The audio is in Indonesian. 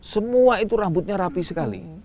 semua itu rambutnya rapi sekali